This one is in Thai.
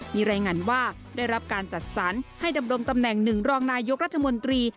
มีรายงานว่าได้รับการจัดสรรให้ดำรงตำแหน่ง๑รองนายกรัฐมนตรี